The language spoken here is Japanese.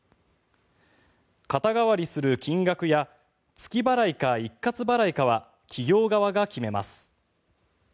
肩代わりする金額や月払いか一括払いかは企業側が決めます。